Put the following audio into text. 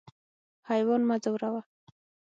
حیوان مه ځوروه.